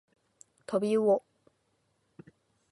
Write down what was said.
とびうお